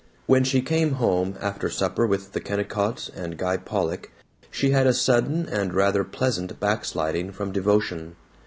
When she came home, after supper with the Kennicotts and Guy Pollock, she had a sudden and rather pleasant backsliding from devotion.